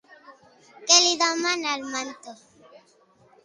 Què li demana al mentor?